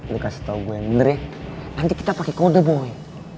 lo kasih tau gue yang bener ya nanti kita pake kode boy